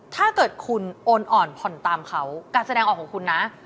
ถ้าเกิดคุณโอนอ่อนผ่อนตามเขาการแสดงออกของคุณนะ